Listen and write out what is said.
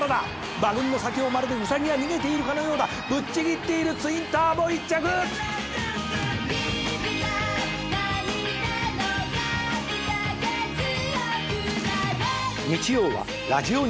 「馬群の先をまるでウサギが逃げているかのようだ」「ぶっちぎっているツインターボ１着」日曜はラジオＮＩＫＫＥＩ賞。